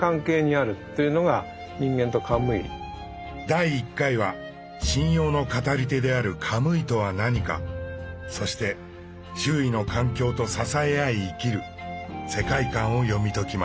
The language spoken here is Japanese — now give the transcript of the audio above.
第１回は神謡の語り手である「カムイ」とは何かそして周囲の環境と支え合い生きる世界観を読み解きます。